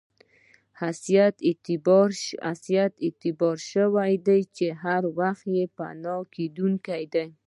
حیثیت اعتباري شی دی چې هر وخت پناه کېدونکی دی.